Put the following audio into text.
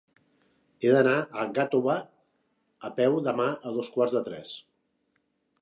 He d'anar a Gàtova a peu demà a dos quarts de tres.